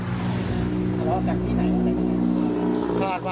ทะเลาะกันที่ไหน